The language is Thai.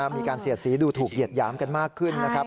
มีการเสียดสีดูถูกเหยียดหยามกันมากขึ้นนะครับ